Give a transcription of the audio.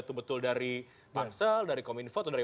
itu betul dari pansel dari kominfo atau dari